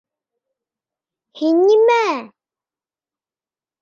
— Һин нимә-ә-ә?